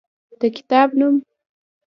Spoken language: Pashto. د کتاب نوم: